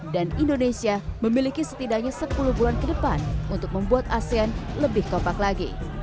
dan indonesia memiliki setidaknya sepuluh bulan ke depan untuk membuat asean lebih kompak lagi